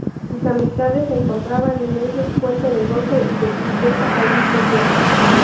Sus amistades encontraban en ellos fuente de gozo y de tristeza al mismo tiempo.